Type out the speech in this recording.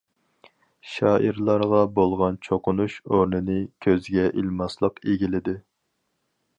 شائىرلارغا بولغان چوقۇنۇش ئورنىنى كۆزگە ئىلماسلىق ئىگىلىدى.